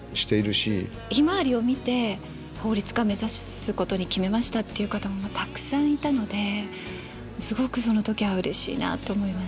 「ひまわり」を見て法律家目指すことに決めましたっていう方もたくさんいたのですごくその時はうれしいなって思いました。